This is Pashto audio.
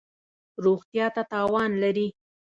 روغتیا ته تاوان لری